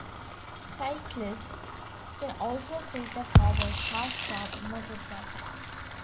Cyclists can also filter forward past stopped motor traffic.